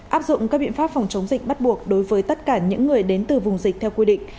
áp dụng các biện pháp phòng chống dịch bắt buộc đối với tất cả những người đến từ vùng dịch theo quy định